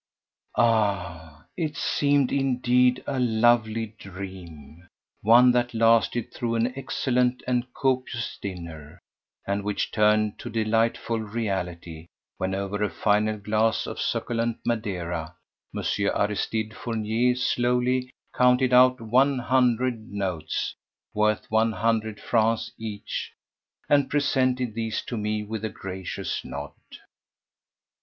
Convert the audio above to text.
Ah! it seemed indeed a lovely dream: one that lasted through an excellent and copious dinner, and which turned to delightful reality when, over a final glass of succulent Madeira, Monsieur Aristide Fournier slowly counted out one hundred notes, worth one hundred francs each, and presented these to me with a gracious nod.